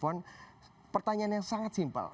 dan pertanyaannya sangat simpel